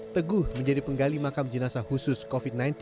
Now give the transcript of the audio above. teguh menjadi penggali makam jenazah khusus covid sembilan belas